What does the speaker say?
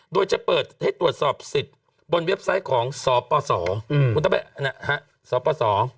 โดยจะเปิดให้ตรวจสอบสิทธิ์บนเว็บไซต์ของสปส